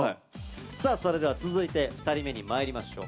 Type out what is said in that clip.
さあそれでは続いて２人目にまいりましょう。